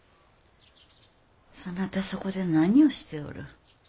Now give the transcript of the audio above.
そなたそこで何をしておる。